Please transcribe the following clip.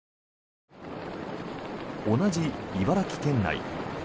同じ茨城県内。